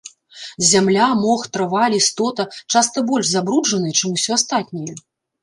Зямля, мох, трава, лістота часта больш забруджаныя, чым усё астатняе.